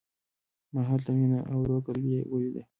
ما هلته مينه او ورور ګلوي وليده.